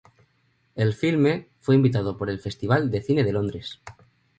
El filme fue invitado por el Festival de Cine de Londres.